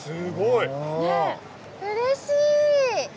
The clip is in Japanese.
うれしい！